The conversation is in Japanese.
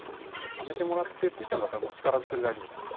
はめてもらって付いちゃうんだったらもう力ずくで大丈夫です。